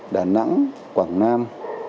đà nẵng quảng nam